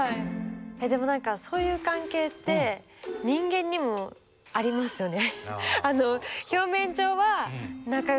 でも何かそういう関係って人間にもありますよね。